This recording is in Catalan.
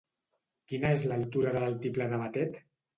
Quina és l'altura de l'Altiplà de Batet?